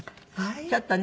ちょっとね